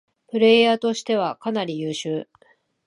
プレイヤーとしてはかなり優秀